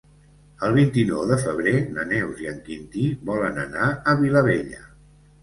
El vint-i-nou de febrer na Neus i en Quintí volen anar a Vilabella.